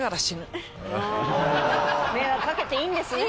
迷惑かけていいんですね。